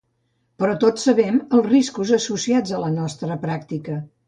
Però tots sabem els riscos associats a la nostra pràctica.